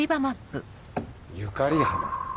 「ゆかり浜」。